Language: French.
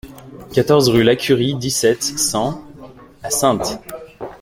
quatorze rue Lacurie, dix-sept, cent à Saintes